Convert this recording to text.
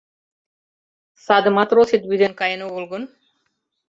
Саде матросет вӱден каен огыл гын?